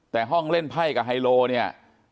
แต่ห้องเล่นไพ่กับไฮโลเนี่ย